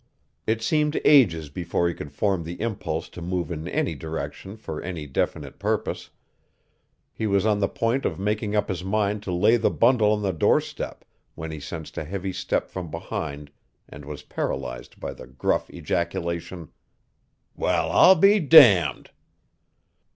It seemed ages before he could form the impulse to move in any direction for any definite purpose. He was on the point of making up his mind to lay the bundle on the doorstep when he sensed a heavy step from behind and was paralyzed by the gruff ejaculation: "Well, I'll be damned!"